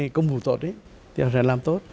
họ có cái công vụ tốt ấy thì họ sẽ làm tốt